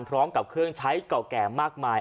พร้อมกับเครื่องใช้เก่าแก่มากมาย